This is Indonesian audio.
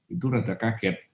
itu rada kaget